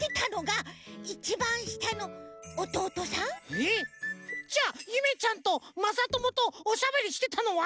えっじゃあゆめちゃんとまさともとおしゃべりしてたのは？